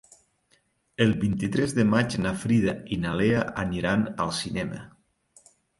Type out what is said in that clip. El vint-i-tres de maig na Frida i na Lea aniran al cinema.